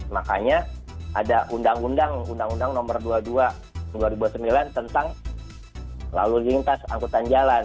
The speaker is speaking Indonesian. makanya ada undang undang undang nomor dua puluh dua dua ribu sembilan tentang lalu lintas angkutan jalan